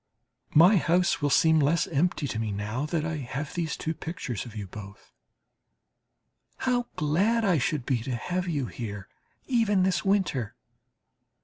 My house will seem less empty to me now that I have these pictures of you both. How glad I should be to have you here, even this winter!